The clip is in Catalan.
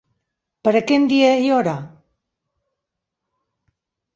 Per a quin dia i hora?